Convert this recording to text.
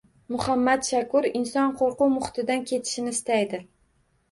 Muhammad Shakur: «Inson qo‘rquv muhitidan ketishni istaydi»